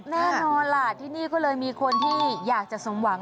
แน่นอนล่ะที่นี่ก็เลยมีคนที่อยากจะสมหวัง